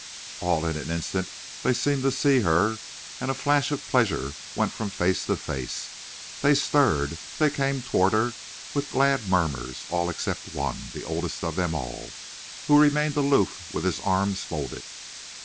All in an instant they seemed to see her, and a flash of pleasure went from face to face. They stirred, they came toward her with glad murmurs, all except one, the oldest of them all, who remained aloof with his arms folded.